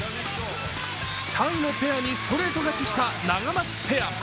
タイのペアにストレート勝ちしたナガマツペア。